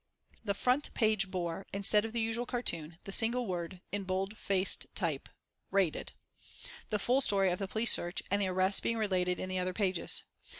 The front page bore, instead of the usual cartoon, the single word in bold faced type "RAIDED," the full story of the police search and the arrests being related in the other pages.